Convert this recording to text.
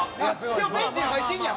でもベンチに入ってんねや。